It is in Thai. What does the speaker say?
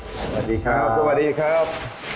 สวัสดีครับ